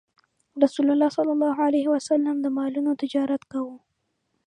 رسول الله ﷺ د مالونو تجارت کاوه.